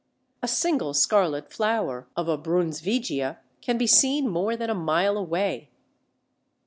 A single scarlet flower of a Brunsvigia can be seen more than a mile away!